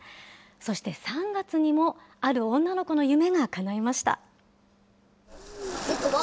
そして３月にも、ある女の子の夢がかないました。